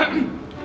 ada siapa hepuh